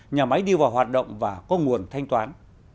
nhà máy đi vào hoạt động và có nguồn thanh toán